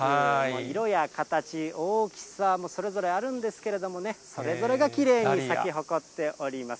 色や形、大きさもそれぞれあるんですけれどもね、それぞれがきれいに咲き誇っております。